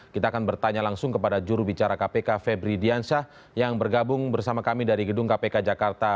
kita akan bertanya langsung kepada jurubicara kpk febri diansyah yang bergabung bersama kami dari gedung kpk jakarta